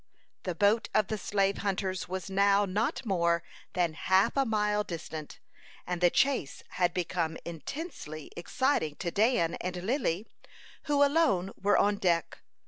The boat of the slave hunters was now not more than half a mile distant, and the chase had become intensely exciting to Dan and Lily, who alone were on deck.